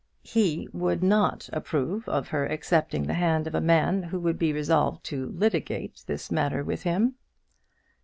He would not approve of her accepting the hand of a man who would be resolved to litigate this matter with him.